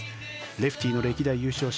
レフティーの歴代優勝者